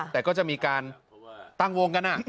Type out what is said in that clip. แต่ก็จะมีการตั้งวงกัน